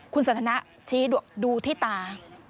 คุณสันทนาติดูที่ตา